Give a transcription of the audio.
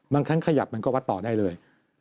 ทั้งขยับมันก็วัดต่อได้เลย